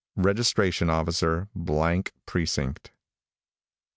Registration Officer Precinct.